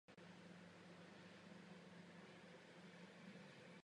Zprávu o jejím objevu obdrželo Středisko pro malé planety následujícího dne.